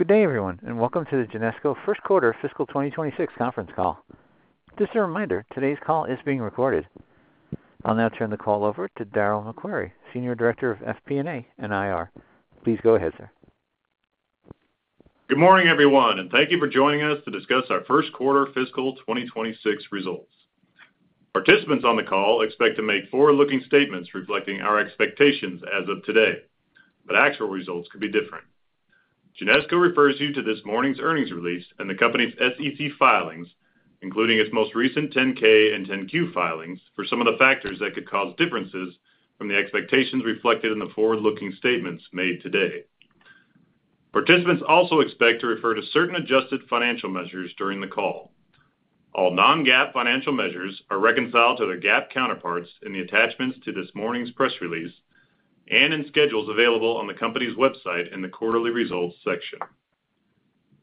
Good day, everyone, and welcome to the Genesco first quarter fiscal 2026 conference call. Just a reminder, today's call is being recorded. I'll now turn the call over to Darryl MacQuarrie, Senior Director of FP&A and IR. Please go ahead, sir. Good morning, everyone, and thank you for joining us to discuss our first quarter fiscal 2026 results. Participants on the call expect to make forward-looking statements reflecting our expectations as of today, but actual results could be different. Genesco refers you to this morning's earnings release and the company's SEC filings, including its most recent 10-K and 10-Q filings, for some of the factors that could cause differences from the expectations reflected in the forward-looking statements made today. Participants also expect to refer to certain adjusted financial measures during the call. All non-GAAP financial measures are reconciled to their GAAP counterparts in the attachments to this morning's press release and in schedules available on the company's website in the Quarterly Results section.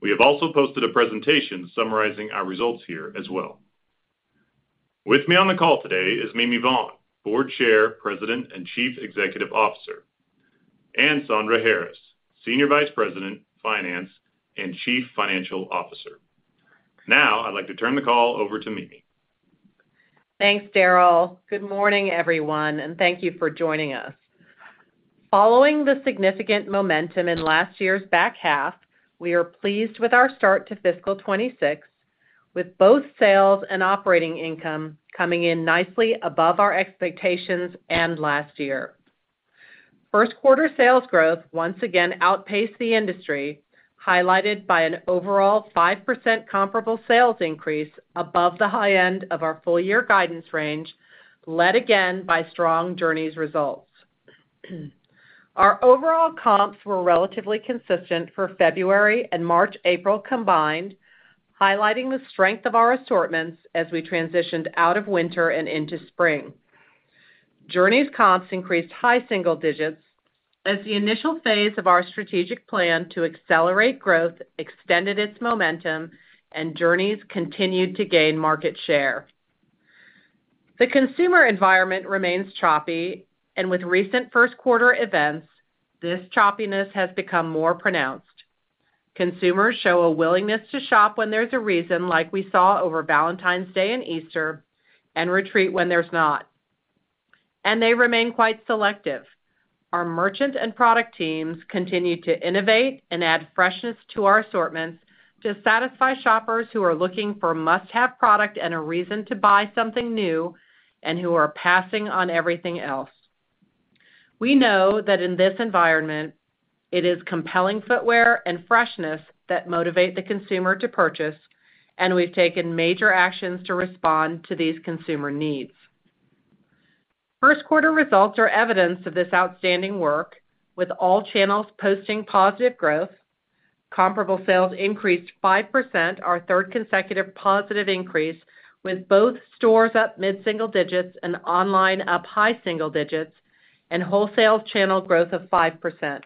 We have also posted a presentation summarizing our results here as well. With me on the call today is Mimi Vaughn, Board Chair, President, and Chief Executive Officer, and Sandra Harris, Senior Vice President, Finance, and Chief Financial Officer. Now, I'd like to turn the call over to Mimi. Thanks, Darryl. Good morning, everyone, and thank you for joining us. Following the significant momentum in last year's back half, we are pleased with our start to fiscal 2026, with both sales and operating income coming in nicely above our expectations and last year. First quarter sales growth once again outpaced the industry, highlighted by an overall 5% comparable sales increase above the high end of our full-year guidance range, led again by strong Journeys results. Our overall comps were relatively consistent for February and March-April combined, highlighting the strength of our assortments as we transitioned out of winter and into spring. Journeys comps increased high single digits as the initial phase of our strategic plan to accelerate growth extended its momentum, and Journeys continued to gain market share. The consumer environment remains choppy, and with recent first quarter events, this choppiness has become more pronounced. Consumers show a willingness to shop when there's a reason, like we saw over Valentine's Day and Easter, and retreat when there's not. They remain quite selective. Our merchant and product teams continue to innovate and add freshness to our assortments to satisfy shoppers who are looking for must-have product and a reason to buy something new and who are passing on everything else. We know that in this environment, it is compelling footwear and freshness that motivate the consumer to purchase, and we've taken major actions to respond to these consumer needs. First quarter results are evidence of this outstanding work, with all channels posting positive growth. Comparable sales increased 5%, our third consecutive positive increase, with both stores up mid-single digits and online up high single digits, and wholesale channel growth of 5%.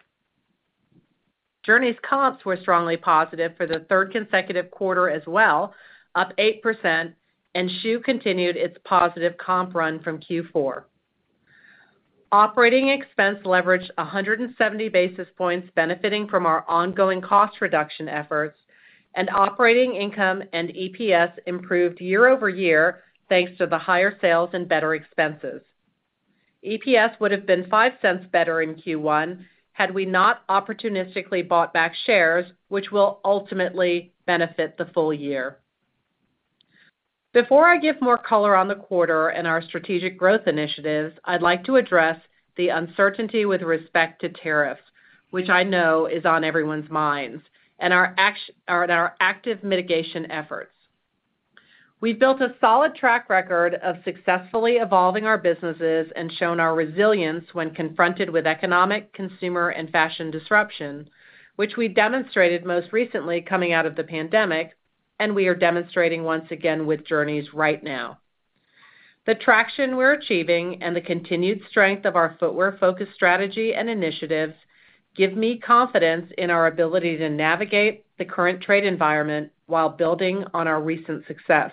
Journeys comps were strongly positive for the third consecutive quarter as well, up 8%, and schuh continued its positive comp run from Q4. Operating expense leveraged 170 basis points, benefiting from our ongoing cost reduction efforts, and operating income and EPS improved year over year thanks to the higher sales and better expenses. EPS would have been $0.05 better in Q1 had we not opportunistically bought back shares, which will ultimately benefit the full year. Before I give more color on the quarter and our strategic growth initiatives, I'd like to address the uncertainty with respect to tariffs, which I know is on everyone's minds, and our active mitigation efforts. We've built a solid track record of successfully evolving our businesses and shown our resilience when confronted with economic, consumer, and fashion disruption, which we demonstrated most recently coming out of the pandemic, and we are demonstrating once again with Journeys right now. The traction we're achieving and the continued strength of our footwear-focused strategy and initiatives give me confidence in our ability to navigate the current trade environment while building on our recent success.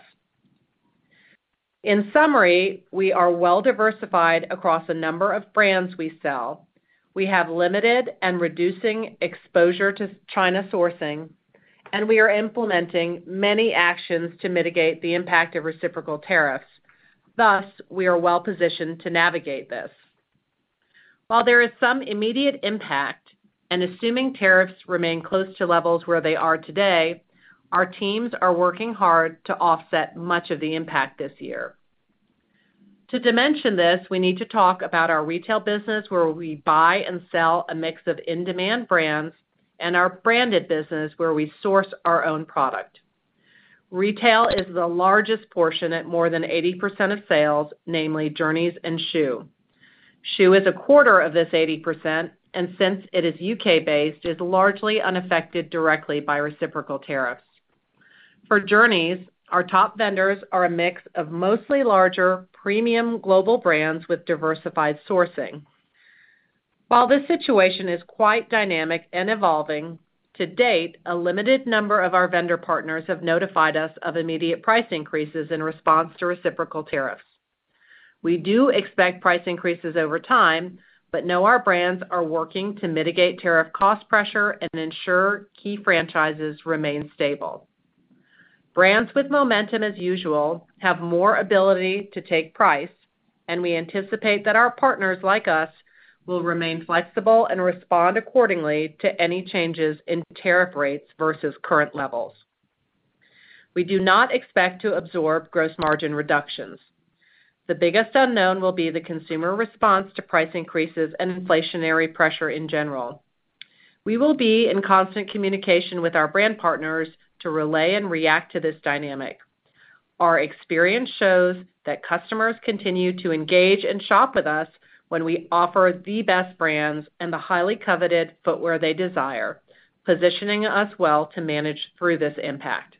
In summary, we are well-diversified across a number of brands we sell. We have limited and reducing exposure to China sourcing, and we are implementing many actions to mitigate the impact of reciprocal tariffs. Thus, we are well-positioned to navigate this. While there is some immediate impact, and assuming tariffs remain close to levels where they are today, our teams are working hard to offset much of the impact this year. To dimension this, we need to talk about our retail business, where we buy and sell a mix of in-demand brands, and our branded business, where we source our own product. Retail is the largest portion at more than 80% of sales, namely Journeys and schuh. schuh is a quarter of this 80%, and since it is U.K.-based, is largely unaffected directly by reciprocal tariffs. For Journeys, our top vendors are a mix of mostly larger premium global brands with diversified sourcing. While this situation is quite dynamic and evolving, to date, a limited number of our vendor partners have notified us of immediate price increases in response to reciprocal tariffs. We do expect price increases over time, but know our brands are working to mitigate tariff cost pressure and ensure key franchises remain stable. Brands with momentum, as usual, have more ability to take price, and we anticipate that our partners like us will remain flexible and respond accordingly to any changes in tariff rates versus current levels. We do not expect to absorb gross margin reductions. The biggest unknown will be the consumer response to price increases and inflationary pressure in general. We will be in constant communication with our brand partners to relay and react to this dynamic. Our experience shows that customers continue to engage and shop with us when we offer the best brands and the highly coveted footwear they desire, positioning us well to manage through this impact.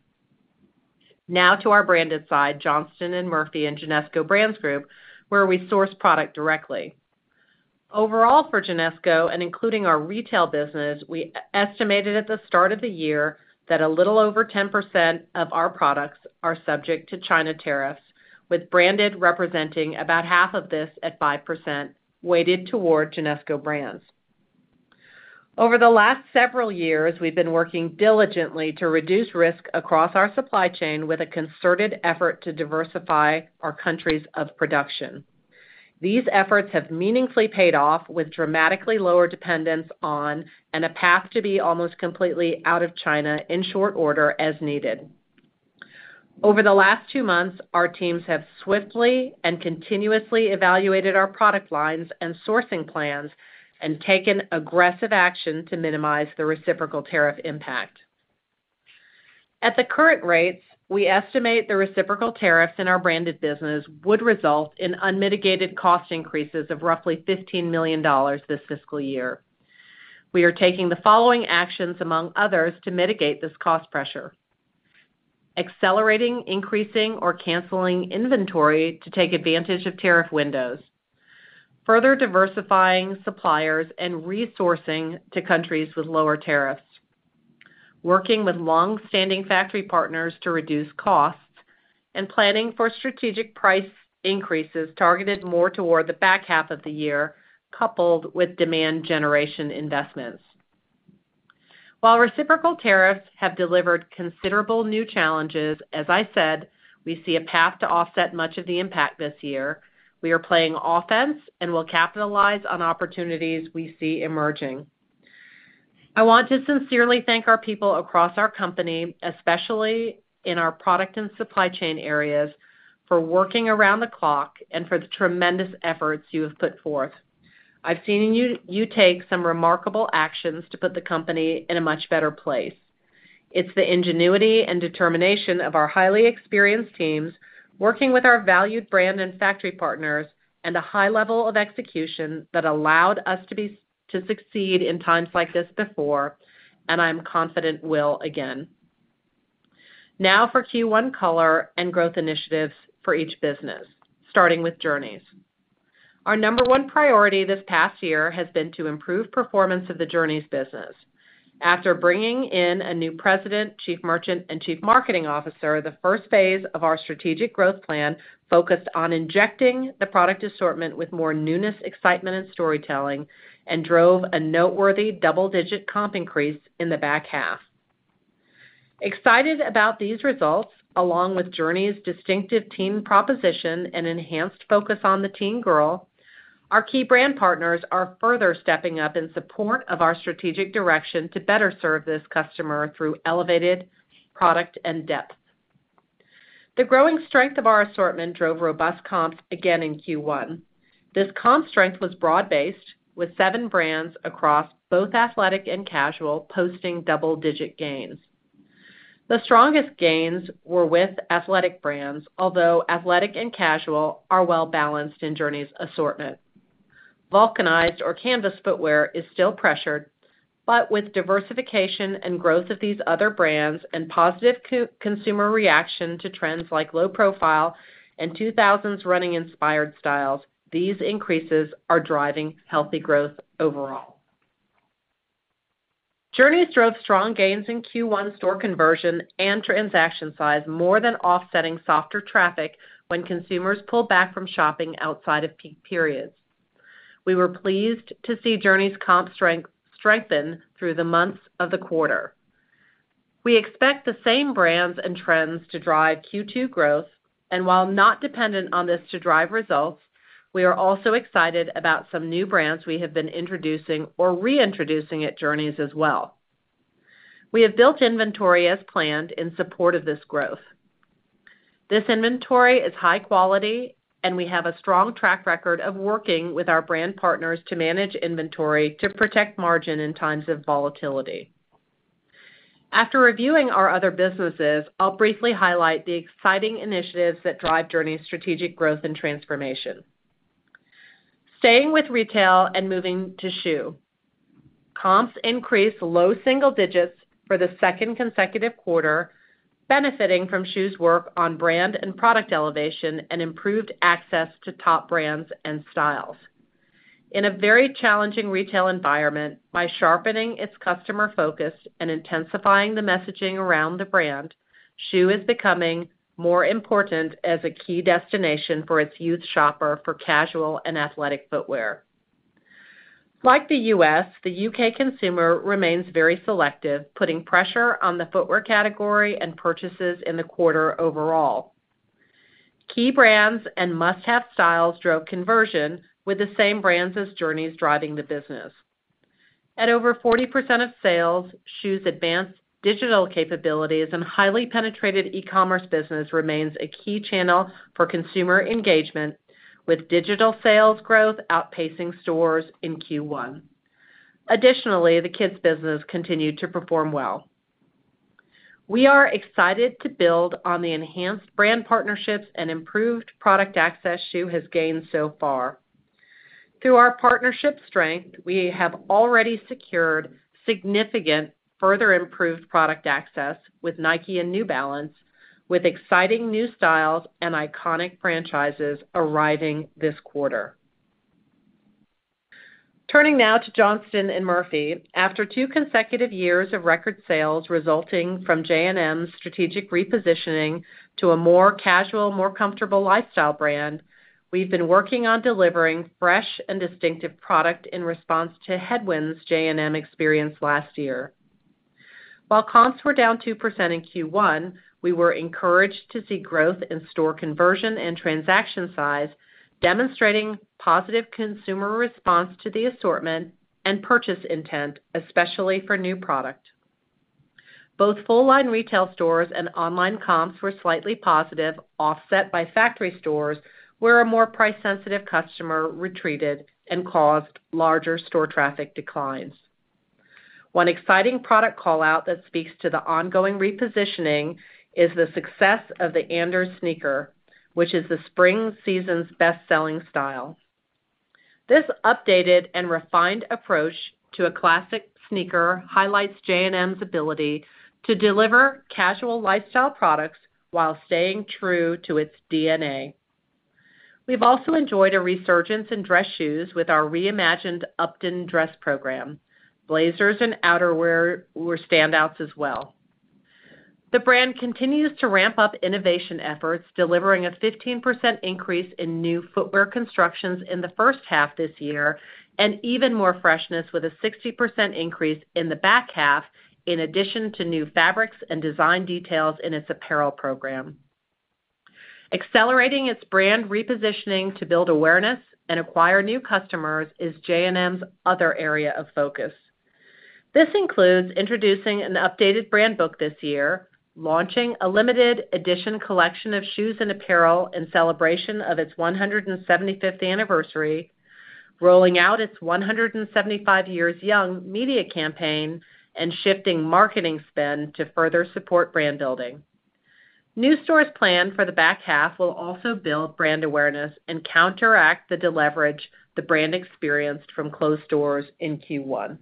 Now to our branded side, Johnston & Murphy and Genesco Brands Group, where we source product directly. Overall, for Genesco and including our retail business, we estimated at the start of the year that a little over 10% of our products are subject to China tariffs, with branded representing about half of this at 5% weighted toward Genesco brands. Over the last several years, we've been working diligently to reduce risk across our supply chain with a concerted effort to diversify our countries of production. These efforts have meaningfully paid off with dramatically lower dependence on and a path to be almost completely out of China in short order as needed. Over the last two months, our teams have swiftly and continuously evaluated our product lines and sourcing plans and taken aggressive action to minimize the reciprocal tariff impact. At the current rates, we estimate the reciprocal tariffs in our branded business would result in unmitigated cost increases of roughly $15 million this fiscal year. We are taking the following actions, among others, to mitigate this cost pressure: accelerating, increasing, or canceling inventory to take advantage of tariff windows, further diversifying suppliers and resourcing to countries with lower tariffs, working with long-standing factory partners to reduce costs, and planning for strategic price increases targeted more toward the back half of the year, coupled with demand generation investments. While reciprocal tariffs have delivered considerable new challenges, as I said, we see a path to offset much of the impact this year. We are playing offense and will capitalize on opportunities we see emerging. I want to sincerely thank our people across our company, especially in our product and supply chain areas, for working around the clock and for the tremendous efforts you have put forth. I've seen you take some remarkable actions to put the company in a much better place. It's the ingenuity and determination of our highly experienced teams working with our valued brand and factory partners and a high level of execution that allowed us to succeed in times like this before, and I'm confident will again. Now for Q1 color and growth initiatives for each business, starting with Journeys. Our number one priority this past year has been to improve performance of the Journeys business. After bringing in a new President, Chief Merchant, and Chief Marketing Officer, the first phase of our strategic growth plan focused on injecting the product assortment with more newness, excitement, and storytelling, and drove a noteworthy double-digit comp increase in the back half. Excited about these results, along with Journeys' distinctive team proposition and enhanced focus on the teen girl, our key brand partners are further stepping up in support of our strategic direction to better serve this customer through elevated product and depth. The growing strength of our assortment drove robust comps again in Q1. This comp strength was broad-based, with seven brands across both athletic and casual posting double-digit gains. The strongest gains were with athletic brands, although athletic and casual are well-balanced in Journeys' assortment. Vulcanized or canvas footwear is still pressured, but with diversification and growth of these other brands and positive consumer reaction to trends like low profile and 2000s running inspired styles, these increases are driving healthy growth overall. Journeys drove strong gains in Q1 store conversion and transaction size more than offsetting softer traffic when consumers pull back from shopping outside of peak periods. We were pleased to see Journeys' comp strengthen through the months of the quarter. We expect the same brands and trends to drive Q2 growth, and while not dependent on this to drive results, we are also excited about some new brands we have been introducing or reintroducing at Journeys as well. We have built inventory as planned in support of this growth. This inventory is high quality, and we have a strong track record of working with our brand partners to manage inventory to protect margin in times of volatility. After reviewing our other businesses, I'll briefly highlight the exciting initiatives that drive Journeys' strategic growth and transformation. Staying with retail and moving to schuh, comps increased low single digits for the second consecutive quarter, benefiting from schuh's work on brand and product elevation and improved access to top brands and styles. In a very challenging retail environment, by sharpening its customer focus and intensifying the messaging around the brand, schuh is becoming more important as a key destination for its youth shopper for casual and athletic footwear. Like the U.S., the U.K. consumer remains very selective, putting pressure on the footwear category and purchases in the quarter overall. Key brands and must-have styles drove conversion, with the same brands as Journeys driving the business. At over 40% of sales, schuh's advanced digital capabilities and highly penetrated e-commerce business remains a key channel for consumer engagement, with digital sales growth outpacing stores in Q1. Additionally, the kids' business continued to perform well. We are excited to build on the enhanced brand partnerships and improved product access schuh has gained so far. Through our partnership strength, we have already secured significant further improved product access with Nike and New Balance, with exciting new styles and iconic franchises arriving this quarter. Turning now to Johnston & Murphy, after two consecutive years of record sales resulting from J&M's strategic repositioning to a more casual, more comfortable lifestyle brand, we've been working on delivering fresh and distinctive product in response to headwinds J&M experienced last year. While comps were down 2% in Q1, we were encouraged to see growth in store conversion and transaction size, demonstrating positive consumer response to the assortment and purchase intent, especially for new product. Both full-line retail stores and online comps were slightly positive, offset by factory stores where a more price-sensitive customer retreated and caused larger store traffic declines. One exciting product callout that speaks to the ongoing repositioning is the success of the Anders sneaker, which is the spring season's best-selling style. This updated and refined approach to a classic sneaker highlights J&M's ability to deliver casual lifestyle products while staying true to its DNA. We've also enjoyed a resurgence in dress shoes with our reimagined Upton Dress program. Blazers and outerwear were standouts as well. The brand continues to ramp up innovation efforts, delivering a 15% increase in new footwear constructions in the first half this year and even more freshness with a 60% increase in the back half, in addition to new fabrics and design details in its apparel program. Accelerating its brand repositioning to build awareness and acquire new customers is J&M's other area of focus. This includes introducing an updated brand book this year, launching a limited edition collection of shoes and apparel in celebration of its 175th anniversary, rolling out its 175 years young media campaign, and shifting marketing spend to further support brand building. New stores planned for the back half will also build brand awareness and counteract the deleverage the brand experienced from closed stores in Q1.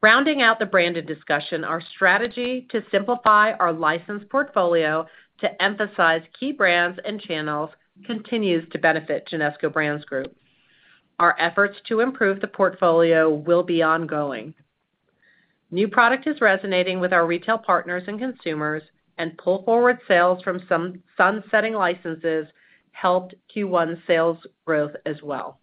Rounding out the branded discussion, our strategy to simplify our license portfolio to emphasize key brands and channels continues to benefit Genesco Brands Group. Our efforts to improve the portfolio will be ongoing. New product is resonating with our retail partners and consumers, and pull forward sales from some sun-setting licenses helped Q1 sales growth as well.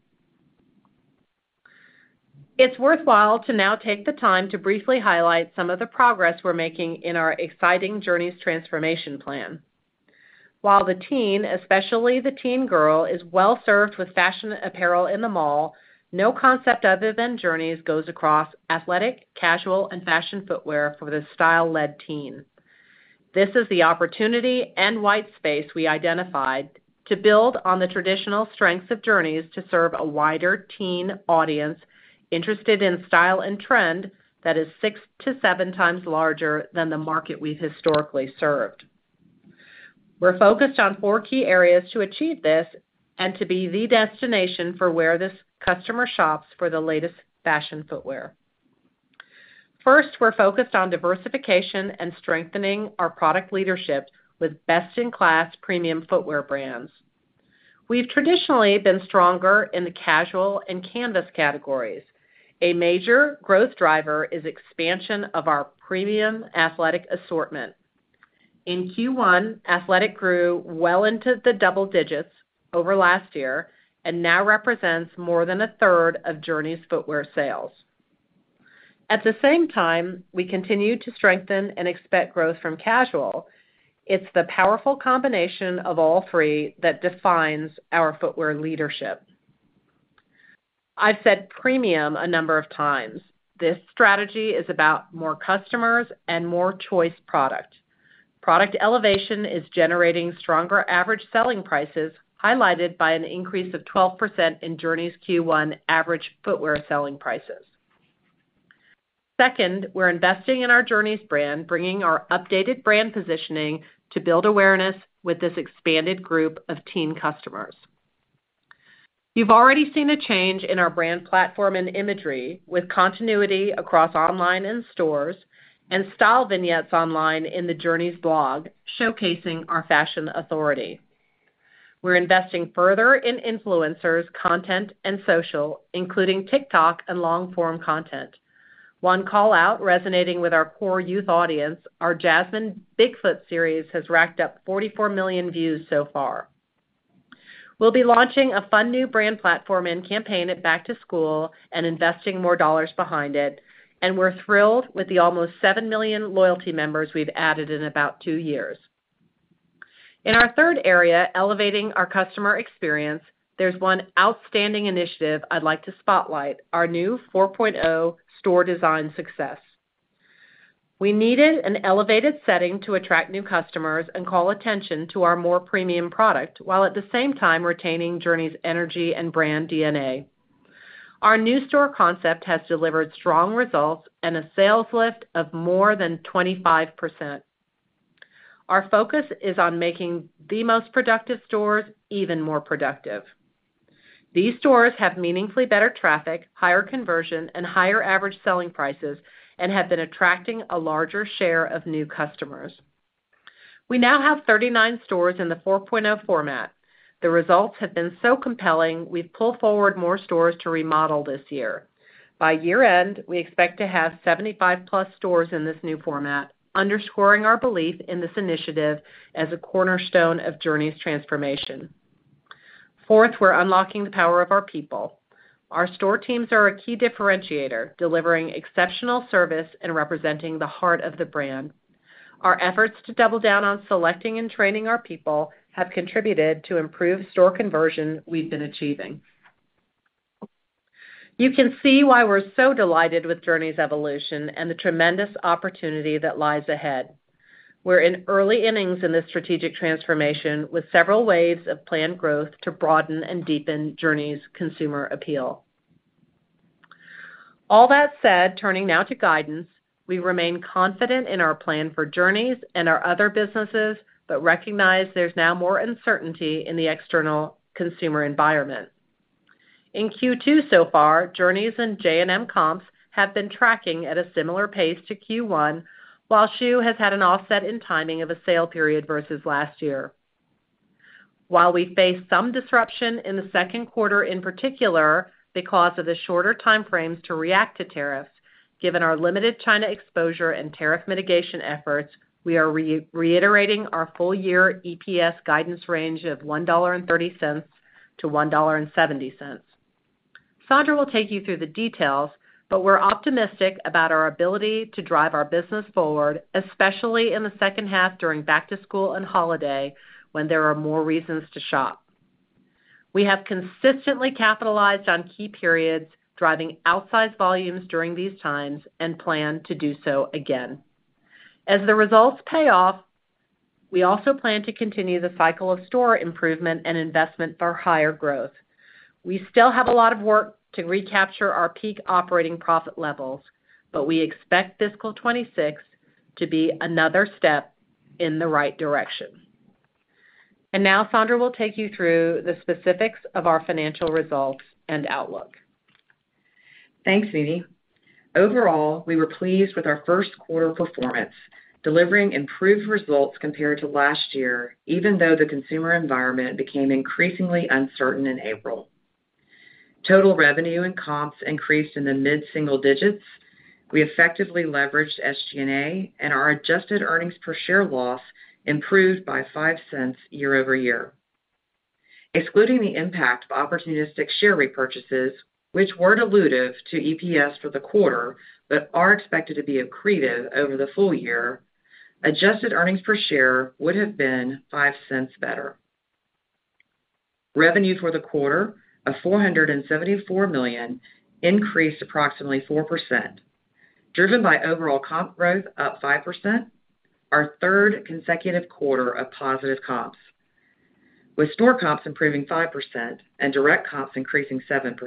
It's worthwhile to now take the time to briefly highlight some of the progress we're making in our exciting Journeys transformation plan. While the teen, especially the teen girl, is well-served with fashion apparel in the mall, no concept other than Journeys goes across athletic, casual, and fashion footwear for the style-led teen. This is the opportunity and white space we identified to build on the traditional strengths of Journeys to serve a wider teen audience interested in style and trend that is six to seven times larger than the market we've historically served. We're focused on four key areas to achieve this and to be the destination for where this customer shops for the latest fashion footwear. First, we're focused on diversification and strengthening our product leadership with best-in-class premium footwear brands. We've traditionally been stronger in the casual and canvas categories. A major growth driver is expansion of our premium athletic assortment. In Q1, athletic grew well into the double digits over last year and now represents more than a third of Journeys' footwear sales. At the same time, we continue to strengthen and expect growth from casual. It's the powerful combination of all three that defines our footwear leadership. I've said premium a number of times. This strategy is about more customers and more choice product. Product elevation is generating stronger average selling prices highlighted by an increase of 12% in Journeys' Q1 average footwear selling prices. Second, we're investing in our Journeys brand, bringing our updated brand positioning to build awareness with this expanded group of teen customers. You've already seen a change in our brand platform and imagery with continuity across online and stores and style vignettes online in the Journeys blog showcasing our fashion authority. We're investing further in influencers, content, and social, including TikTok and long-form content. One callout resonating with our core youth audience, our Jazmine Bigfoot series has racked up 44 million views so far. We will be launching a fun new brand platform and campaign at Back to School and investing more dollars behind it, and we are thrilled with the almost 7 million loyalty members we have added in about two years. In our third area, elevating our customer experience, there is one outstanding initiative I would like to spotlight: our new 4.0 store design success. We needed an elevated setting to attract new customers and call attention to our more premium product while at the same time retaining Journeys' energy and brand DNA. Our new store concept has delivered strong results and a sales lift of more than 25%. Our focus is on making the most productive stores even more productive. These stores have meaningfully better traffic, higher conversion, and higher average selling prices and have been attracting a larger share of new customers. We now have 39 stores in the 4.0 format. The results have been so compelling, we have pulled forward more stores to remodel this year. By year-end, we expect to have 75+ stores in this new format, underscoring our belief in this initiative as a cornerstone of Journeys' transformation. Fourth, we are unlocking the power of our people. Our store teams are a key differentiator, delivering exceptional service and representing the heart of the brand. Our efforts to double down on selecting and training our people have contributed to improved store conversion we have been achieving. You can see why we are so delighted with Journeys' evolution and the tremendous opportunity that lies ahead. We're in early innings in this strategic transformation with several waves of planned growth to broaden and deepen Journeys' consumer appeal. All that said, turning now to guidance, we remain confident in our plan for Journeys and our other businesses, but recognize there's now more uncertainty in the external consumer environment. In Q2 so far, Journeys and J&M comps have been tracking at a similar pace to Q1, while schuh has had an offset in timing of a sale period versus last year. While we face some disruption in the second quarter in particular because of the shorter timeframes to react to tariffs, given our limited China exposure and tariff mitigation efforts, we are reiterating our full-year EPS guidance range of $1.30-$1.70. Sandra will take you through the details, but we're optimistic about our ability to drive our business forward, especially in the second half during Back to School and holiday when there are more reasons to shop. We have consistently capitalized on key periods, driving outsized volumes during these times, and plan to do so again. As the results pay off, we also plan to continue the cycle of store improvement and investment for higher growth. We still have a lot of work to recapture our peak operating profit levels, but we expect fiscal 2026 to be another step in the right direction. Now, Sandra will take you through the specifics of our financial results and outlook. Thanks, Mimi. Overall, we were pleased with our first quarter performance, delivering improved results compared to last year, even though the consumer environment became increasingly uncertain in April. Total revenue and comps increased in the mid-single digits. We effectively leveraged SG&A, and our adjusted earnings per share loss improved by $0.05 year over year. Excluding the impact of opportunistic share repurchases, which were dilutive to EPS for the quarter but are expected to be accretive over the full year, adjusted earnings per share would have been $0.05 better. Revenue for the quarter of $474 million increased approximately 4%. Driven by overall comp growth up 5%, our third consecutive quarter of positive comps, with store comps improving 5% and direct comps increasing 7%.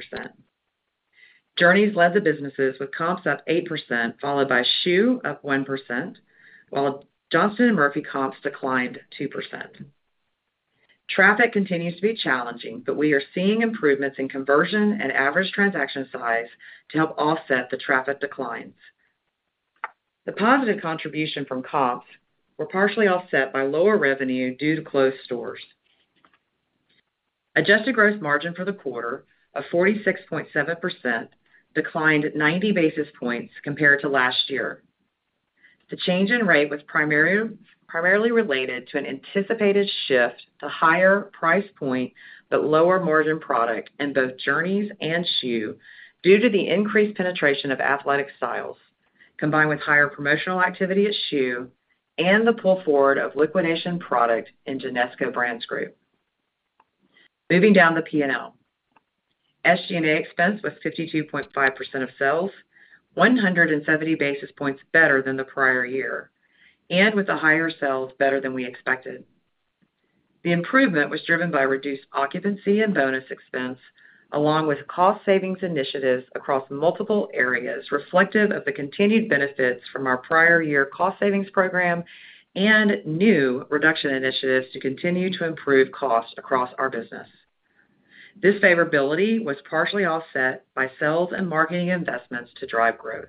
Journeys led the businesses with comps up 8%, followed by schuh up 1%, while Johnston & Murphy comps declined 2%. Traffic continues to be challenging, but we are seeing improvements in conversion and average transaction size to help offset the traffic declines. The positive contribution from comps was partially offset by lower revenue due to closed stores. Adjusted gross margin for the quarter of 46.7% declined 90 basis points compared to last year. The change in rate was primarily related to an anticipated shift to higher price point but lower margin product in both Journeys and schuh due to the increased penetration of athletic styles, combined with higher promotional activity at schuh and the pull forward of liquidation product in Genesco Brands Group. Moving down the P&L, SG&A expense was 52.5% of sales, 170 basis points better than the prior year, and with the higher sales better than we expected. The improvement was driven by reduced occupancy and bonus expense, along with cost savings initiatives across multiple areas, reflective of the continued benefits from our prior year cost savings program and new reduction initiatives to continue to improve costs across our business. This favorability was partially offset by sales and marketing investments to drive growth.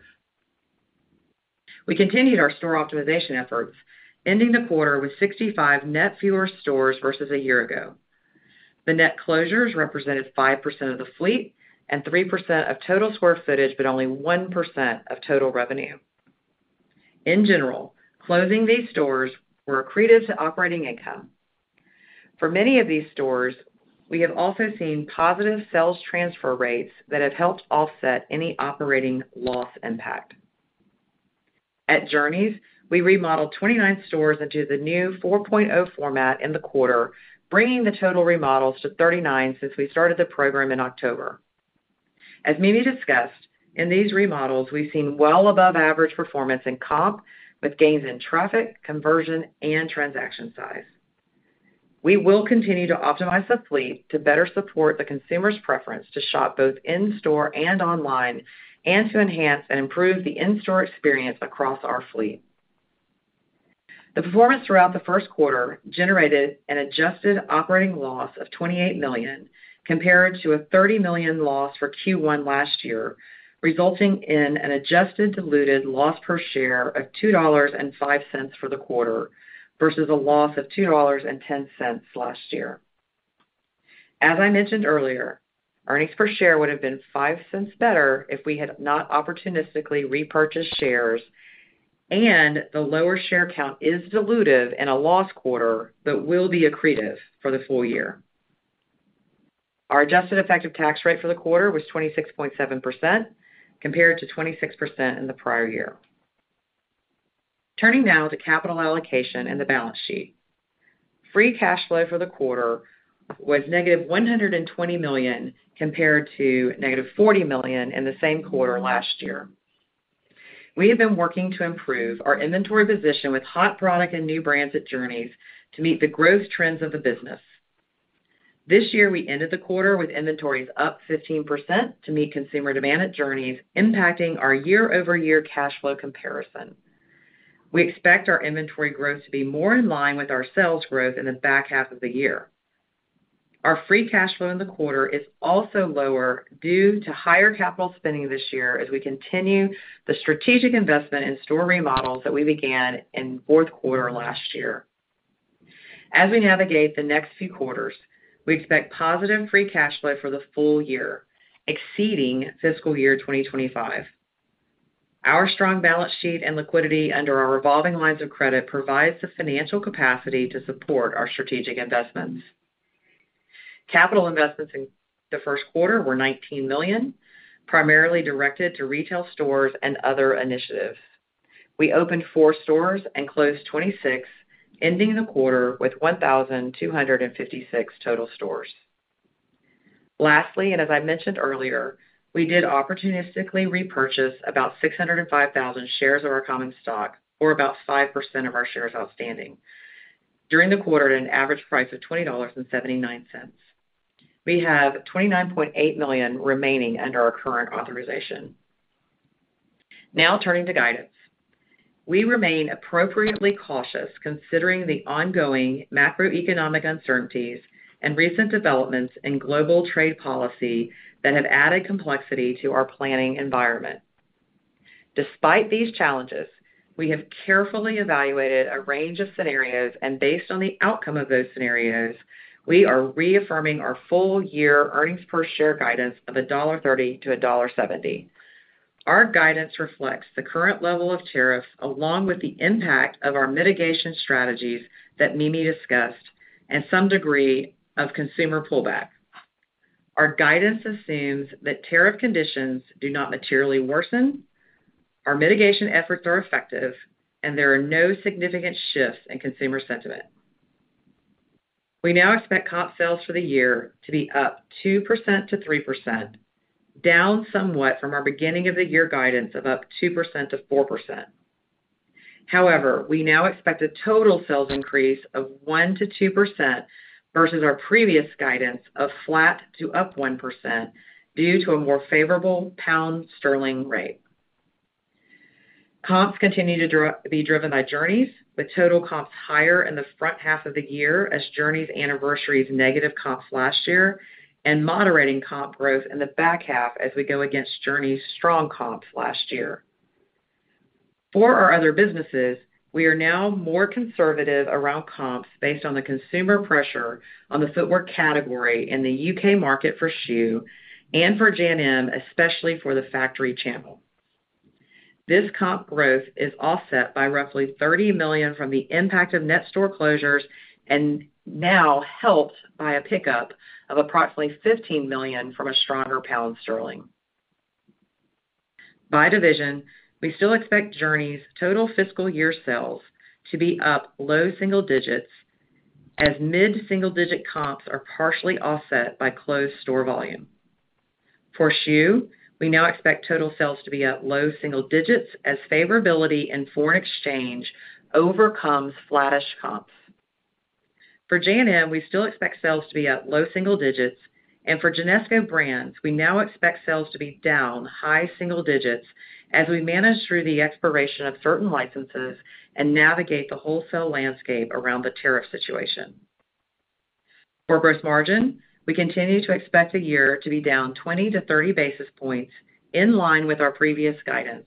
We continued our store optimization efforts, ending the quarter with 65 net fewer stores versus a year ago. The net closures represented 5% of the fleet and 3% of total square footage, but only 1% of total revenue. In general, closing these stores was accretive to operating income. For many of these stores, we have also seen positive sales transfer rates that have helped offset any operating loss impact. At Journeys, we remodeled 29 stores into the new 4.0 format in the quarter, bringing the total remodels to 39 since we started the program in October. As Mimi discussed, in these remodels, we've seen well above average performance in comp with gains in traffic, conversion, and transaction size. We will continue to optimize the fleet to better support the consumer's preference to shop both in-store and online and to enhance and improve the in-store experience across our fleet. The performance throughout the first quarter generated an adjusted operating loss of $28 million compared to a $30 million loss for Q1 last year, resulting in an adjusted diluted loss per share of $2.05 for the quarter versus a loss of $2.10 last year. As I mentioned earlier, earnings per share would have been $0.05 better if we had not opportunistically repurchased shares, and the lower share count is dilutive in a lost quarter but will be accretive for the full year. Our adjusted effective tax rate for the quarter was 26.7% compared to 26% in the prior year. Turning now to capital allocation and the balance sheet. Free cash flow for the quarter was -$120 million compared to -$40 million in the same quarter last year. We have been working to improve our inventory position with hot product and new brands at Journeys to meet the growth trends of the business. This year, we ended the quarter with inventories up 15% to meet consumer demand at Journeys, impacting our year-over-year cash flow comparison. We expect our inventory growth to be more in line with our sales growth in the back half of the year. Our free cash flow in the quarter is also lower due to higher capital spending this year as we continue the strategic investment in store remodels that we began in fourth quarter last year. As we navigate the next few quarters, we expect positive free cash flow for the full year, exceeding fiscal year 2025. Our strong balance sheet and liquidity under our revolving lines of credit provide the financial capacity to support our strategic investments. Capital investments in the first quarter were $19 million, primarily directed to retail stores and other initiatives. We opened four stores and closed 26, ending the quarter with 1,256 total stores. Lastly, and as I mentioned earlier, we did opportunistically repurchase about 605,000 shares of our common stock, or about 5% of our shares outstanding, during the quarter at an average price of $20.79. We have $29.8 million remaining under our current authorization. Now, turning to guidance, we remain appropriately cautious considering the ongoing macroeconomic uncertainties and recent developments in global trade policy that have added complexity to our planning environment. Despite these challenges, we have carefully evaluated a range of scenarios, and based on the outcome of those scenarios, we are reaffirming our full-year earnings per share guidance of $1.30-$1.70. Our guidance reflects the current level of tariffs along with the impact of our mitigation strategies that Mimi discussed and some degree of consumer pullback. Our guidance assumes that tariff conditions do not materially worsen, our mitigation efforts are effective, and there are no significant shifts in consumer sentiment. We now expect comp sales for the year to be up 2%-3%, down somewhat from our beginning of the year guidance of up 2%-4%. However, we now expect a total sales increase of 1%-2% versus our previous guidance of flat to up 1% due to a more favorable pound sterling rate. Comps continue to be driven by Journeys, with total comps higher in the front half of the year as Journeys anniversaries negative comps last year and moderating comp growth in the back half as we go against Journeys strong comps last year. For our other businesses, we are now more conservative around comps based on the consumer pressure on the footwear category in the U.K. market for schuh and for J&M, especially for the factory channel. This comp growth is offset by roughly $30 million from the impact of net store closures and now helped by a pickup of approximately $15 million from a stronger pound sterling. By division, we still expect Journeys total fiscal year sales to be up low single digits as mid-single digit comps are partially offset by closed store volume. For schuh, we now expect total sales to be at low single digits as favorability in foreign exchange overcomes flattish comps. For J&M, we still expect sales to be at low single digits, and for Genesco Brands, we now expect sales to be down high single digits as we manage through the expiration of certain licenses and navigate the wholesale landscape around the tariff situation. For gross margin, we continue to expect the year to be down 20-30 basis points in line with our previous guidance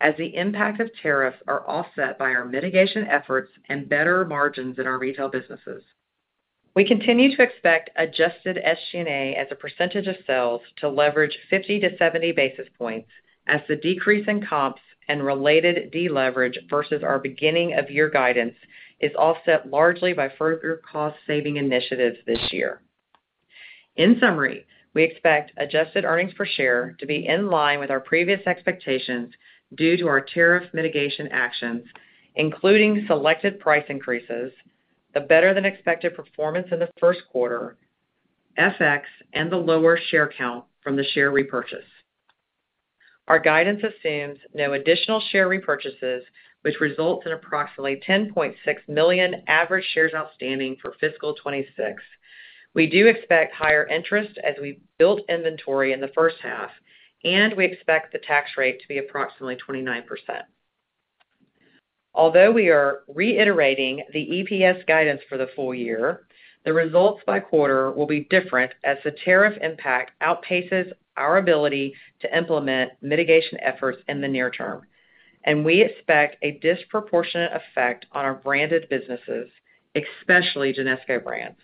as the impact of tariffs is offset by our mitigation efforts and better margins in our retail businesses. We continue to expect adjusted SG&A as a percentage of sales to leverage 50-70 basis points as the decrease in comps and related deleverage versus our beginning of year guidance is offset largely by further cost saving initiatives this year. In summary, we expect adjusted earnings per share to be in line with our previous expectations due to our tariff mitigation actions, including selected price increases, the better-than-expected performance in the first quarter, FX, and the lower share count from the share repurchase. Our guidance assumes no additional share repurchases, which results in approximately $10.6 million average shares outstanding for fiscal 2026. We do expect higher interest as we built inventory in the first half, and we expect the tax rate to be approximately 29%. Although we are reiterating the EPS guidance for the full year, the results by quarter will be different as the tariff impact outpaces our ability to implement mitigation efforts in the near term, and we expect a disproportionate effect on our branded businesses, especially Genesco Brands.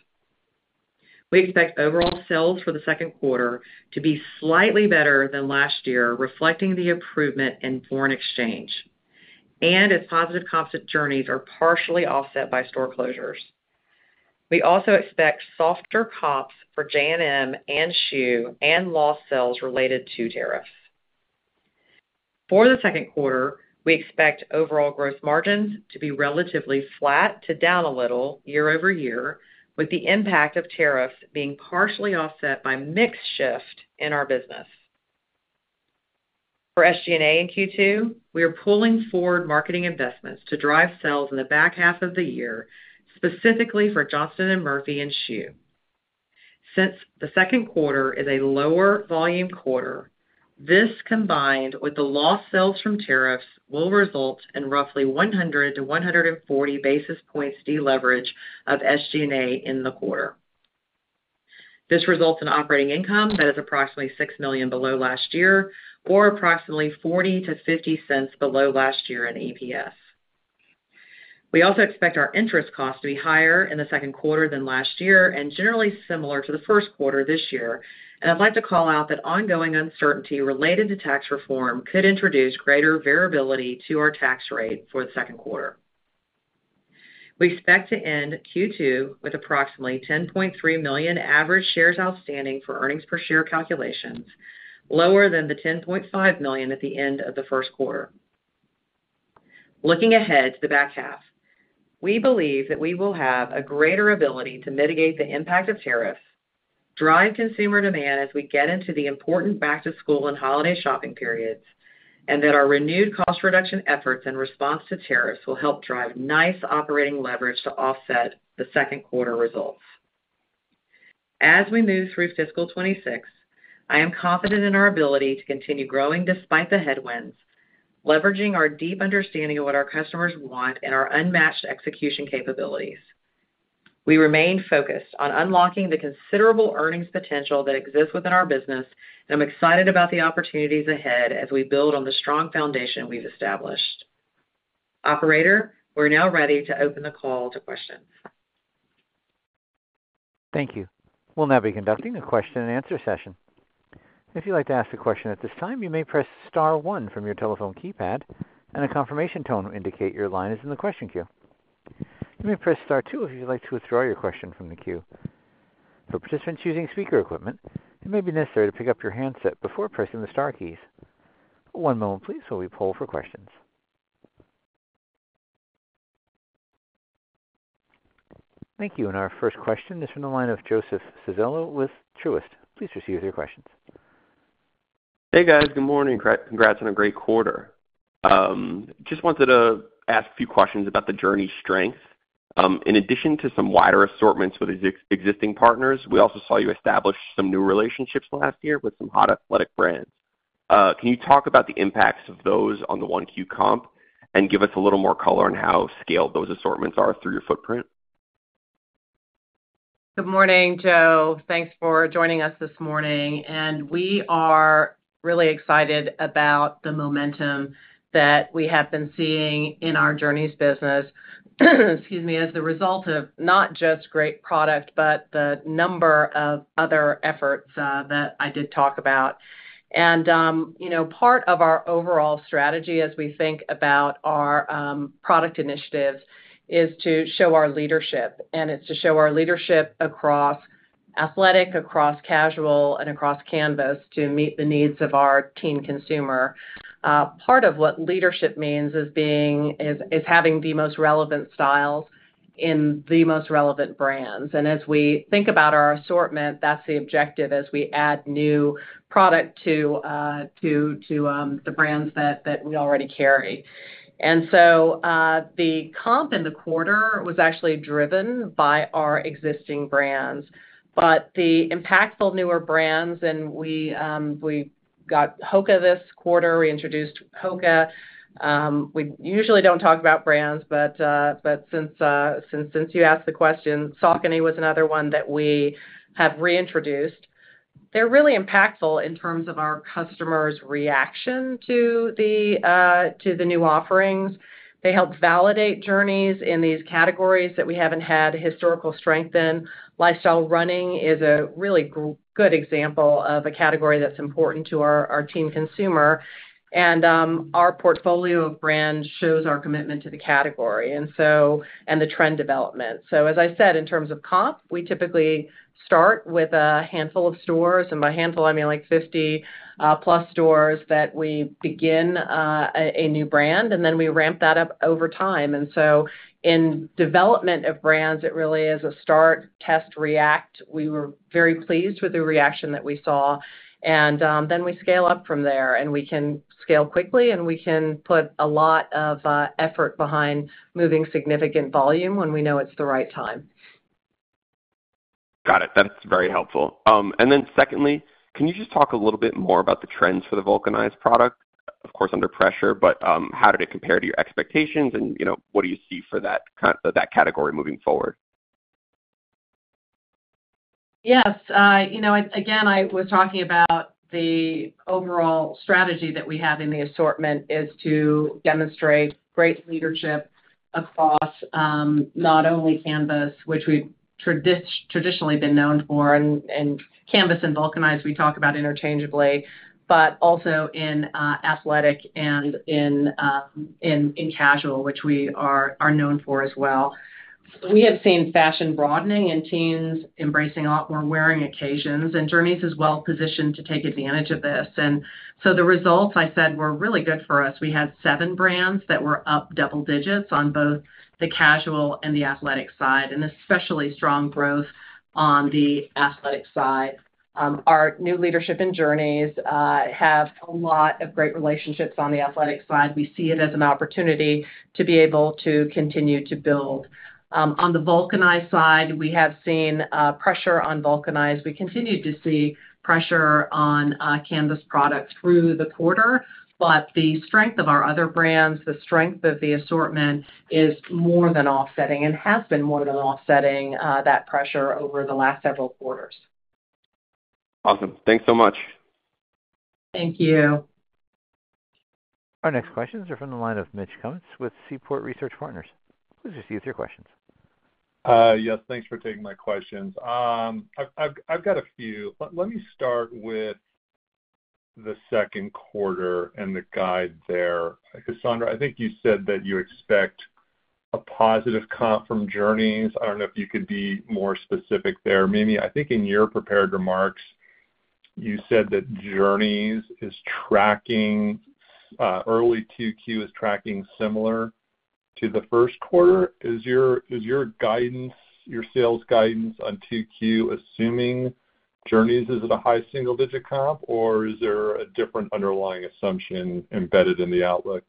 We expect overall sales for the second quarter to be slightly better than last year, reflecting the improvement in foreign exchange, and its positive comps at Journeys are partially offset by store closures. We also expect softer comps for J&M and schuh and lost sales related to tariffs. For the second quarter, we expect overall gross margins to be relatively flat to down a little year over year, with the impact of tariffs being partially offset by mix shift in our business. For SG&A in Q2, we are pulling forward marketing investments to drive sales in the back half of the year, specifically for Johnston & Murphy and schuh. Since the second quarter is a lower volume quarter, this combined with the lost sales from tariffs will result in roughly 100-140 basis points deleverage of SG&A in the quarter. This results in operating income that is approximately $6 million below last year or approximately $0.40-$0.50 below last year in EPS. We also expect our interest costs to be higher in the second quarter than last year and generally similar to the first quarter this year. I would like to call out that ongoing uncertainty related to tax reform could introduce greater variability to our tax rate for the second quarter. We expect to end Q2 with approximately 10.3 million average shares outstanding for earnings per share calculations, lower than the 10.5 million at the end of the first quarter. Looking ahead to the back half, we believe that we will have a greater ability to mitigate the impact of tariffs, drive consumer demand as we get into the important back-to-school and holiday shopping periods, and that our renewed cost reduction efforts in response to tariffs will help drive nice operating leverage to offset the second quarter results. As we move through fiscal 2026, I am confident in our ability to continue growing despite the headwinds, leveraging our deep understanding of what our customers want and our unmatched execution capabilities. We remain focused on unlocking the considerable earnings potential that exists within our business, and I'm excited about the opportunities ahead as we build on the strong foundation we've established. Operator, we're now ready to open the call to questions. Thank you. We'll now be conducting a question-and-answer session. If you'd like to ask a question at this time, you may press star one from your telephone keypad, and a confirmation tone will indicate your line is in the question queue. You may press star two if you'd like to withdraw your question from the queue. For participants using speaker equipment, it may be necessary to pick up your handset before pressing the star keys. One moment, please, while we pull for questions. Thank you. Our first question is from the line of Joseph Civello with Truist. Please proceed with your questions. Hey, guys. Good morning. Congrats on a great quarter. Just wanted to ask a few questions about the Journeys strengths. In addition to some wider assortments with existing partners, we also saw you establish some new relationships last year with some hot athletic brands. Can you talk about the impacts of those on the Q1 comp and give us a little more color on how scaled those assortments are through your footprint? Good morning, Joe. Thanks for joining us this morning. We are really excited about the momentum that we have been seeing in our Journeys business, excuse me, as the result of not just great product but the number of other efforts that I did talk about. Part of our overall strategy as we think about our product initiatives is to show our leadership, and it is to show our leadership across athletic, across casual, and across canvas to meet the needs of our teen consumer. Part of what leadership means is having the most relevant styles in the most relevant brands. As we think about our assortment, that's the objective as we add new product to the brands that we already carry. The comp in the quarter was actually driven by our existing brands, but the impactful newer brands, and we got HOKA this quarter. We introduced HOKA. We usually do not talk about brands, but since you asked the question, Saucony was another one that we have reintroduced. They are really impactful in terms of our customers' reaction to the new offerings. They help validate Journeys in these categories that we have not had historical strength in. Lifestyle running is a really good example of a category that is important to our teen consumer. Our portfolio of brands shows our commitment to the category and the trend development. As I said, in terms of comp, we typically start with a handful of stores, and by handful, I mean like 50+ stores that we begin a new brand, and then we ramp that up over time. In development of brands, it really is a start, test, react. We were very pleased with the reaction that we saw, and then we scale up from there, and we can scale quickly, and we can put a lot of effort behind moving significant volume when we know it's the right time. Got it. That's very helpful. Secondly, can you just talk a little bit more about the trends for the vulcanized product? Of course, under pressure, but how did it compare to your expectations, and what do you see for that category moving forward? Yes. Again, I was talking about the overall strategy that we have in the assortment is to demonstrate great leadership across not only canvas, which we've traditionally been known for, and canvas and vulcanized we talk about interchangeably, but also in athletic and in casual, which we are known for as well. We have seen fashion broadening and teens embracing a lot more wearing occasions, and Journeys is well-positioned to take advantage of this. The results, I said, were really good for us. We had seven brands that were up double digits on both the casual and the athletic side, and especially strong growth on the athletic side. Our new leadership in Journeys have a lot of great relationships on the athletic side. We see it as an opportunity to be able to continue to build. On the vulcanized side, we have seen pressure on vulcanized. We continue to see pressure on canvas products through the quarter, but the strength of our other brands, the strength of the assortment is more than offsetting and has been more than offsetting that pressure over the last several quarters. Awesome. Thanks so much. Thank you. Our next questions are from the line of Mitch Kummetz with Seaport Research Partners. Please proceed with your questions. Yes. Thanks for taking my questions. I've got a few. Let me start with the second quarter and the guide there. Cassandra, I think you said that you expect a positive comp from Journeys. I do not know if you could be more specific there. Mimi, I think in your prepared remarks, you said that Journeys is tracking early Q2 is tracking similar to the first quarter. Is your sales guidance on Q2, assuming Journeys is at a high single-digit comp, or is there a different underlying assumption embedded in the outlook?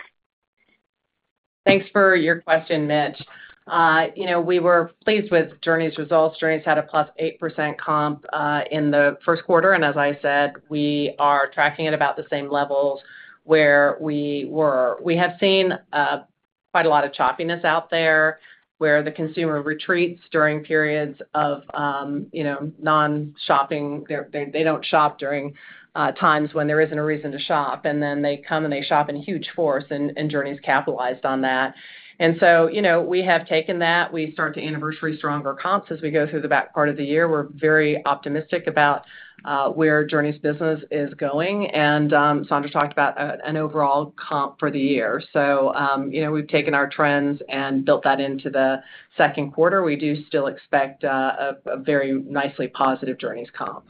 Thanks for your question, Mitch. We were pleased with Journeys' results. Journeys had a +8% comp in the first quarter, and as I said, we are tracking at about the same levels where we were. We have seen quite a lot of choppiness out there where the consumer retreats during periods of non-shopping. They do not shop during times when there is not a reason to shop, and then they come and they shop in huge force, and Journeys capitalized on that. We have taken that. We start to anniversary stronger comps as we go through the back part of the year. We are very optimistic about where Journeys' business is going, and Sandra talked about an overall comp for the year. We've taken our trends and built that into the second quarter. We do still expect a very nicely positive Journeys comp.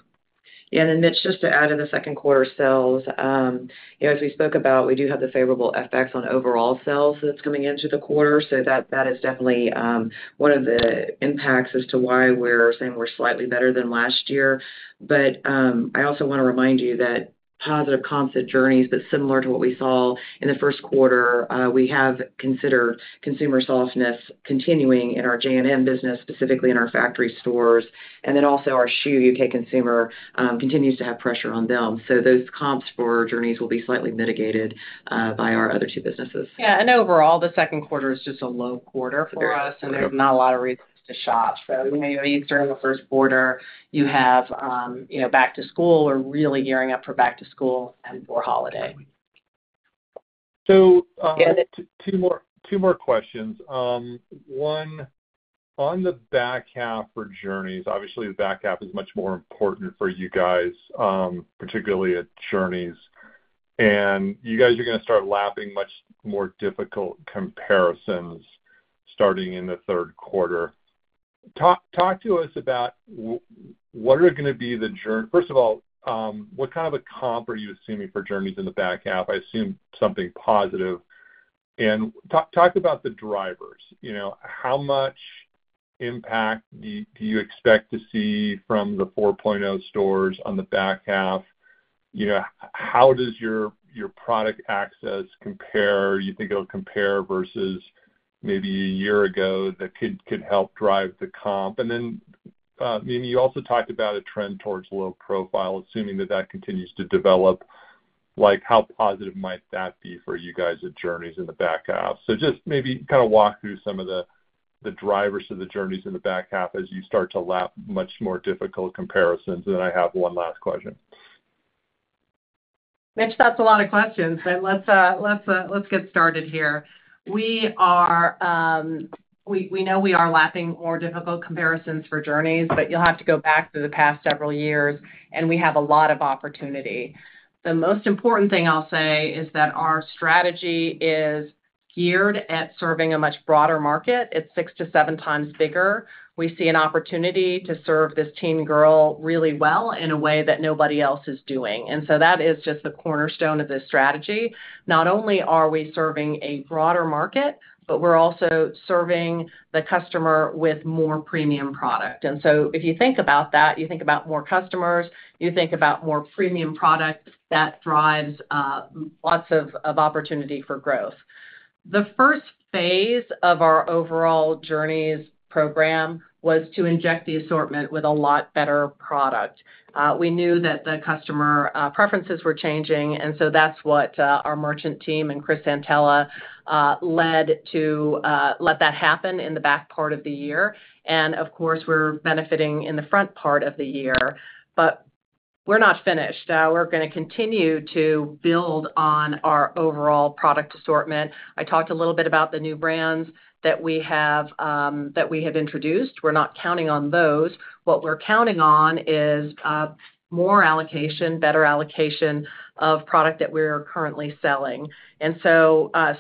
Yeah. And then Mitch, just to add to the second quarter sales, as we spoke about, we do have the favorable FX on overall sales that's coming into the quarter, so that is definitely one of the impacts as to why we're saying we're slightly better than last year. I also want to remind you that positive comps at Journeys, that similar to what we saw in the first quarter, we have considered consumer softness continuing in our J&M business, specifically in our factory stores, and then also our schuh U.K. consumer continues to have pressure on them. Those comps for Journeys will be slightly mitigated by our other two businesses. Yeah. Overall, the second quarter is just a low quarter for us, and there's not a lot of reasons to shop. You start in the first quarter, you have back to school, we're really gearing up for back to school and for holiday. Two more questions. One, on the back half for Journeys, obviously the back half is much more important for you guys, particularly at Journeys, and you guys are going to start lapping much more difficult comparisons starting in the third quarter. Talk to us about what are going to be the, first of all, what kind of a comp are you assuming for Journeys in the back half? I assume something positive. Talk about the drivers. How much impact do you expect to see from the 4.0 stores on the back half? How does your product access compare? You think it'll compare versus maybe a year ago that could help drive the comp? Mimi, you also talked about a trend towards low profile, assuming that that continues to develop. How positive might that be for you guys at Journeys in the back half? Just maybe kind of walk through some of the drivers of the Journeys in the back half as you start to lap much more difficult comparisons, and then I have one last question. Mitch, that's a lot of questions, but let's get started here. We know we are lapping more difficult comparisons for Journeys, but you'll have to go back to the past several years, and we have a lot of opportunity. The most important thing I'll say is that our strategy is geared at serving a much broader market. It's six to seven times bigger. We see an opportunity to serve this teen girl really well in a way that nobody else is doing. That is just the cornerstone of this strategy. Not only are we serving a broader market, but we're also serving the customer with more premium product. If you think about that, you think about more customers, you think about more premium product that drives lots of opportunity for growth. The first phase of our overall Journeys program was to inject the assortment with a lot better product. We knew that the customer preferences were changing, and that is what our merchant team and Chris Santaella led to let that happen in the back part of the year. Of course, we're benefiting in the front part of the year, but we're not finished. We're going to continue to build on our overall product assortment. I talked a little bit about the new brands that we have introduced. We're not counting on those. What we're counting on is more allocation, better allocation of product that we're currently selling.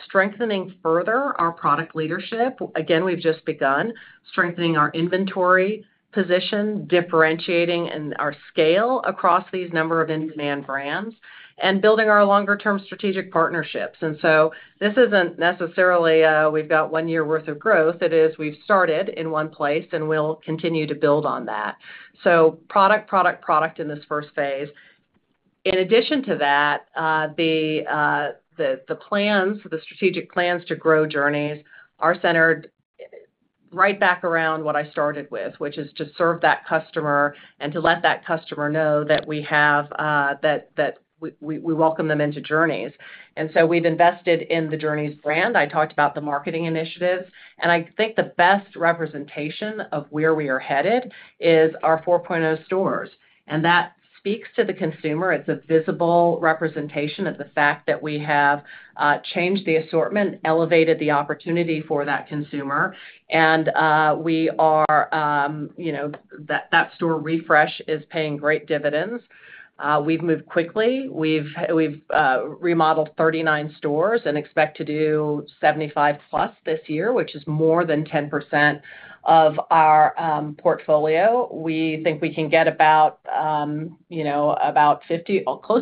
Strengthening further our product leadership. Again, we've just begun strengthening our inventory position, differentiating our scale across these number of in-demand brands, and building our longer-term strategic partnerships. This isn't necessarily we've got one year's worth of growth. It is we've started in one place, and we'll continue to build on that. Product, product, product in this first phase. In addition to that, the strategic plans to grow Journeys are centered right back around what I started with, which is to serve that customer and to let that customer know that we welcome them into Journeys. We've invested in the Journeys brand. I talked about the marketing initiatives, and I think the best representation of where we are headed is our 4.0 stores. That speaks to the consumer. It is a visible representation of the fact that we have changed the assortment, elevated the opportunity for that consumer, and that store refresh is paying great dividends. We have moved quickly. We have remodeled 39 stores and expect to do 75+ this year, which is more than 10% of our portfolio. We think we can get about close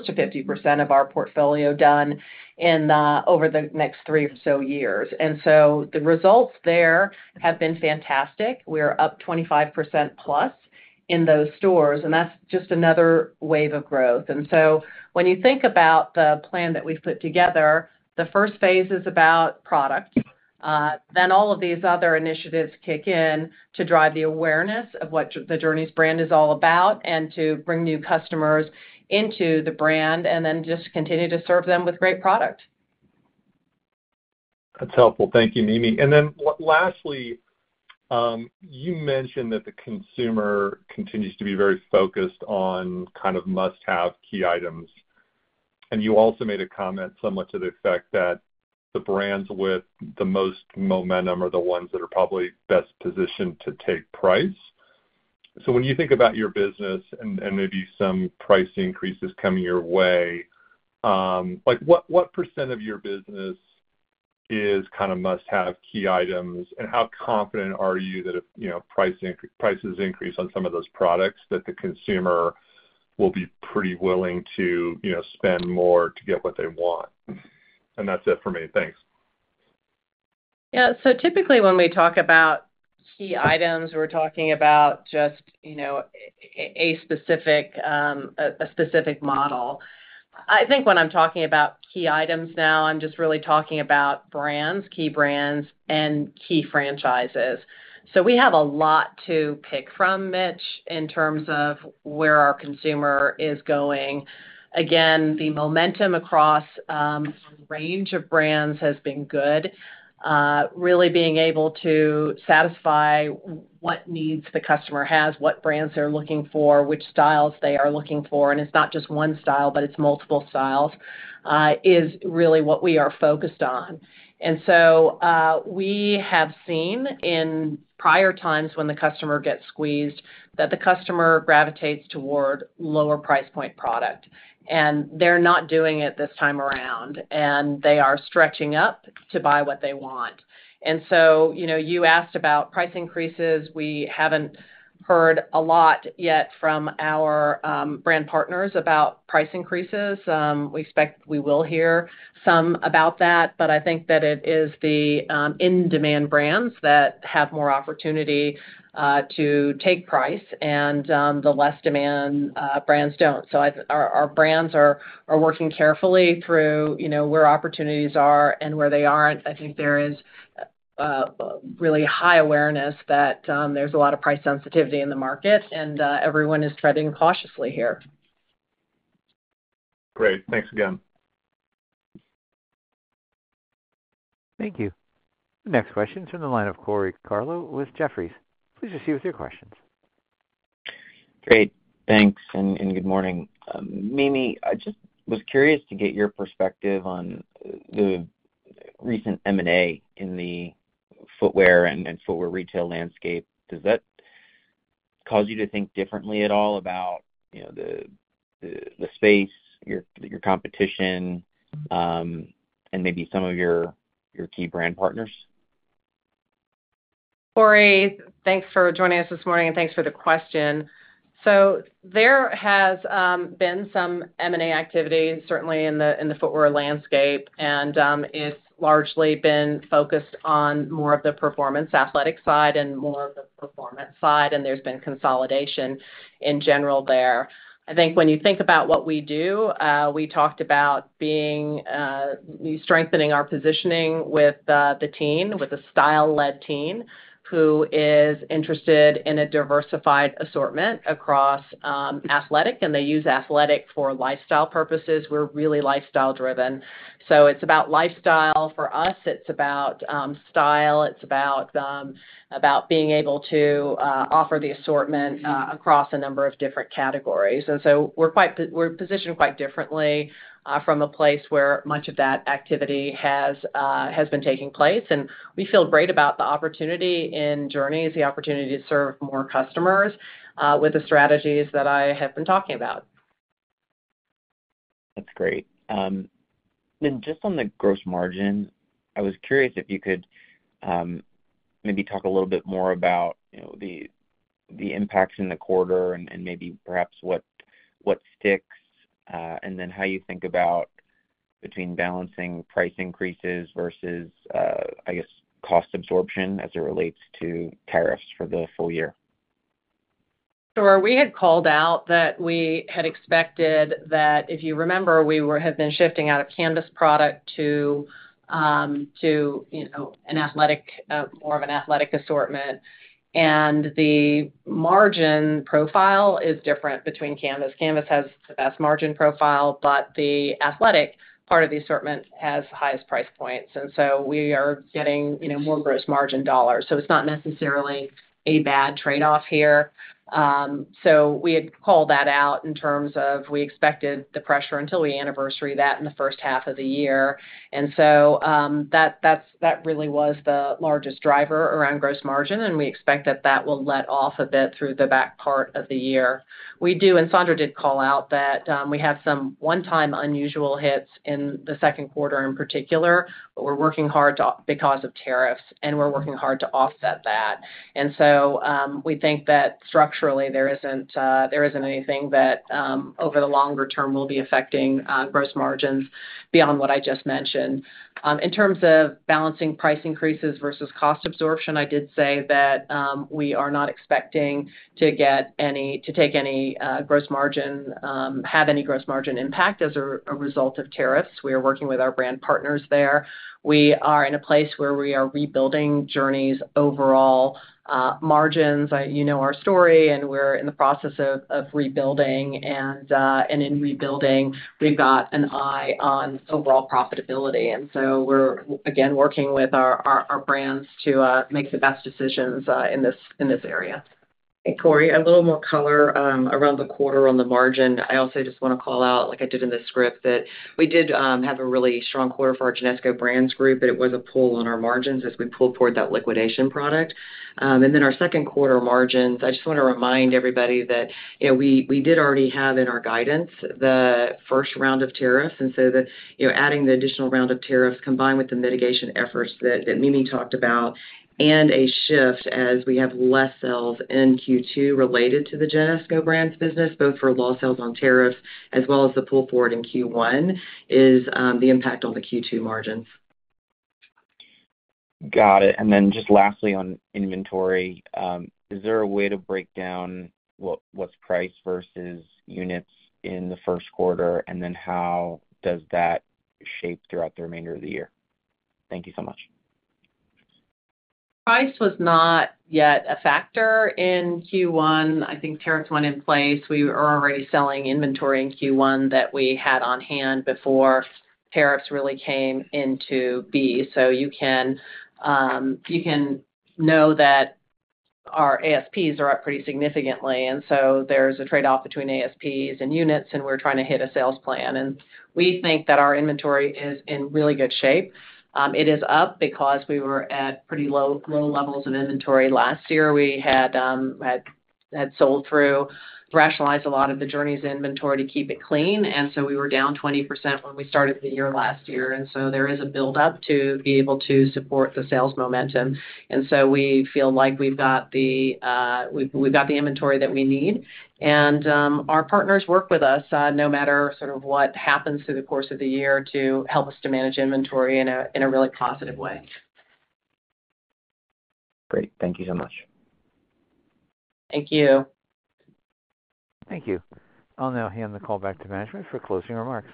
to 50% of our portfolio done over the next three or so years. The results there have been fantastic. We are up 25%+ in those stores, and that is just another wave of growth. When you think about the plan that we have put together, the first phase is about product. All of these other initiatives kick in to drive the awareness of what the Journeys brand is all about and to bring new customers into the brand and then just continue to serve them with great product. That's helpful. Thank you, Mimi. Lastly, you mentioned that the consumer continues to be very focused on kind of must-have key items, and you also made a comment somewhat to the effect that the brands with the most momentum are the ones that are probably best positioned to take price. When you think about your business and maybe some price increases coming your way, what percentage of your business is kind of must-have key items, and how confident are you that if prices increase on some of those products that the consumer will be pretty willing to spend more to get what they want? That's it for me. Thanks. Yeah. Typically when we talk about key items, we're talking about just a specific model. I think when I'm talking about key items now, I'm just really talking about brands, key brands, and key franchises. We have a lot to pick from, Mitch, in terms of where our consumer is going. Again, the momentum across a range of brands has been good. Really being able to satisfy what needs the customer has, what brands they're looking for, which styles they are looking for, and it's not just one style, but it's multiple styles is really what we are focused on. We have seen in prior times when the customer gets squeezed that the customer gravitates toward lower price point product, and they're not doing it this time around, and they are stretching up to buy what they want. You asked about price increases. We have not heard a lot yet from our brand partners about price increases. We expect we will hear some about that, but I think that it is the in-demand brands that have more opportunity to take price and the less-demand brands do not. Our brands are working carefully through where opportunities are and where they are not. I think there is really high awareness that there is a lot of price sensitivity in the market, and everyone is treading cautiously here. Great. Thanks again. Thank you. Next question is from the line of Corey Tarlowe with Jefferies. Please proceed with your questions. Great. Thanks, and good morning. Mimi, I just was curious to get your perspective on the recent M&A in the footwear and footwear retail landscape. Does that cause you to think differently at all about the space, your competition, and maybe some of your key brand partners? Corey, thanks for joining us this morning, and thanks for the question. There has been some M&A activity, certainly in the footwear landscape, and it's largely been focused on more of the performance athletic side and more of the performance side, and there's been consolidation in general there. I think when you think about what we do, we talked about strengthening our positioning with the team, with the style-led team who is interested in a diversified assortment across athletic, and they use athletic for lifestyle purposes. We're really lifestyle-driven. It's about lifestyle for us. It's about style. It's about being able to offer the assortment across a number of different categories. We're positioned quite differently from a place where much of that activity has been taking place, and we feel great about the opportunity in Journeys, the opportunity to serve more customers with the strategies that I have been talking about. That's great. Just on the gross margin, I was curious if you could maybe talk a little bit more about the impact in the quarter and maybe perhaps what sticks, and then how you think about between balancing price increases versus, I guess, cost absorption as it relates to tariffs for the full year. Sure. We had called out that we had expected that if you remember, we had been shifting out of canvas product to more of an athletic assortment, and the margin profile is different between canvas. Canvas has the best margin profile, but the athletic part of the assortment has the highest price points. We are getting more gross margin dollars. It is not necessarily a bad trade-off here. We had called that out in terms of we expected the pressure until the anniversary in the first half of the year. That really was the largest driver around gross margin, and we expect that will let off a bit through the back part of the year. We do, and Sandra did call out that we have some one-time unusual hits in the second quarter in particular, but we are working hard because of tariffs, and we are working hard to offset that. We think that structurally there is not anything that over the longer term will be affecting gross margins beyond what I just mentioned. In terms of balancing price increases versus cost absorption, I did say that we are not expecting to take any gross margin, have any gross margin impact as a result of tariffs. We are working with our brand partners there. We are in a place where we are rebuilding Journeys' overall margins. You know our story, and we are in the process of rebuilding. In rebuilding, we have got an eye on overall profitability. We are, again, working with our brands to make the best decisions in this area. Corey, a little more color around the quarter on the margin. I also just want to call out, like I did in the script, that we did have a really strong quarter for our Genesco Brands Group, but it was a pull on our margins as we pulled toward that liquidation product. Our second quarter margins, I just want to remind everybody that we did already have in our guidance the first round of tariffs. Adding the additional round of tariffs combined with the mitigation efforts that Mimi talked about and a shift as we have less sales in Q2 related to the Genesco Brands business, both for low sales on tariffs as well as the pull forward in Q1, is the impact on the Q2 margins. Got it. Lastly, on inventory, is there a way to break down what is priced versus units in the first quarter, and then how does that shape throughout the remainder of the year? Thank you so much. Price was not yet a factor in Q1. I think tariffs went in place. We were already selling inventory in Q1 that we had on hand before tariffs really came into being. You can know that our ASPs are up pretty significantly. There is a trade-off between ASPs and units, and we are trying to hit a sales plan. We think that our inventory is in really good shape. It is up because we were at pretty low levels of inventory last year. We had sold through, rationalized a lot of the Journeys inventory to keep it clean. We were down 20% when we started the year last year. There is a build-up to be able to support the sales momentum. We feel like we have got the inventory that we need, and our partners work with us no matter what happens through the course of the year to help us to manage inventory in a really positive way. Great. Thank you so much. Thank you. Thank you. I'll now hand the call back to management for closing remarks.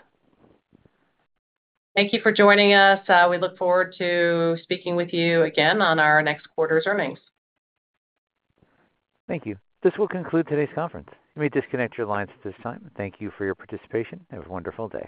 Thank you for joining us. We look forward to speaking with you again on our next quarter's earnings. Thank you. This will conclude today's conference. You may disconnect your lines at this time. Thank you for your participation. Have a wonderful day.